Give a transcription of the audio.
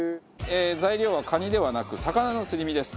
材料はカニではなく魚のすり身です。